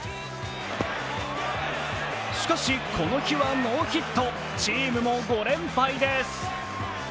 しかし、この日はノーヒットチームも５連敗です。